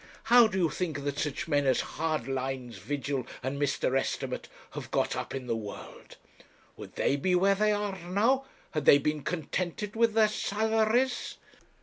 How do you think that such men as Hardlines, Vigil, and Mr. Estimate have got up in the world? Would they be where they are now, had they been contented with their salaries?'